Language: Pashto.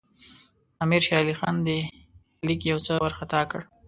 امیر شېر علي خان دې لیک یو څه وارخطا کړ.